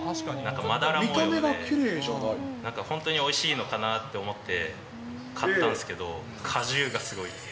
まだら模様で、なんか本当においしいのかなって思って、買ったんですけど、果汁がすごい。